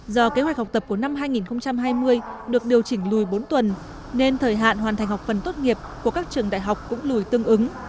do kế hoạch học tập của năm hai nghìn hai mươi được điều chỉnh lùi bốn tuần nên thời hạn hoàn thành học phần tốt nghiệp của các trường đại học cũng lùi tương ứng